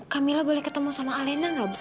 kak mila boleh ketemu sama alena gak bu